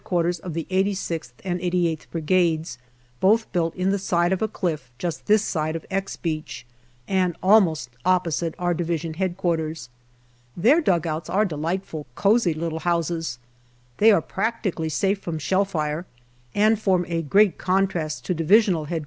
Q. of the 86th and 88th Brigades, both built in the side of a cliff just this side of " X " Beach and almost opposite our D.H.Q. Their dugouts are delight fully cosy little houses ; they are practically safe from shell fire and form a great contrast to Divisional H.Q.